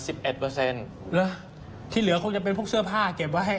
ฮึ้ยที่เหลือคงจะเป็นพวกเสื้อผ้าเก็บไว้